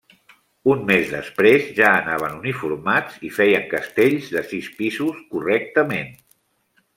Un mes després ja anaven uniformats i feien castells de sis pisos correctament.